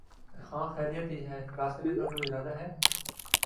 ہاں خیریت ہی ہے۔۔۔ کلاس لینے کا کوئی ارادہ ہے؟